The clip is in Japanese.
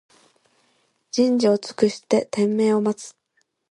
人事を尽くして天命を待つ